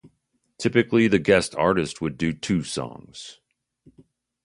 Typically the guest artist would do two songs.